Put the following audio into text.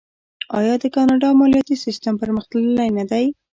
آیا د کاناډا مالیاتي سیستم پرمختللی نه دی؟